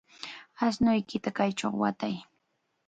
Ashnuykita kaychaw watay.